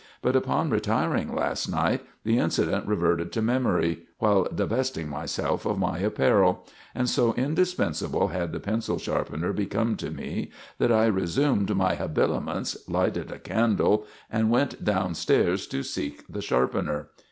But upon retiring last night, the incident reverted to memory while divesting myself of my apparel, and so indispensable had the pencil sharpener become to me that I resumed my habiliments, lighted a candle, and went downstairs to seek the sharpener.